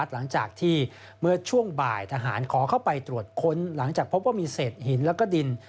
หลังจากพบว่ามีเศษหินและก็ดิน